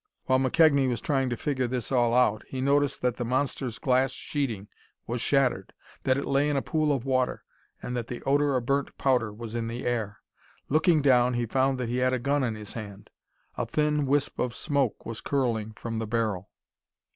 While McKegnie was trying to figure this all out he noticed that the monster's glass sheeting was shattered, that it lay in a pool of water, and that the odor of burnt powder was in the air. Looking down he found that he had a gun in his hand. A thin wisp of smoke was curling from the barrel.